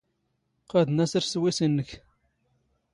ⵇⵇⴰⴷ ⵏⴰⵙⵔ ⵙ ⵜⵡⵉⵙⵉ ⵏⵏⴽ.